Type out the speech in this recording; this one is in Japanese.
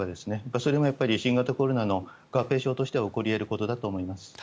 それもやっぱり新型コロナの合併症としては起こり得ることだと思います。